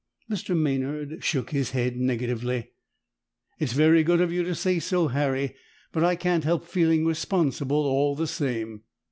Mr. Maynard shook his head negatively. "It's very good of you to say so, Harry, but I can't help feeling responsible all the same.